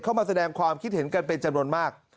เข้ามาแสดงความคิดเห็นกันเป็นจำนวนมาก